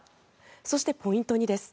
そして、ポイント２です。